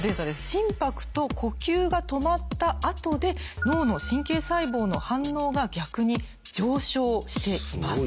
心拍と呼吸が止まったあとで脳の神経細胞の反応が逆に上昇しています。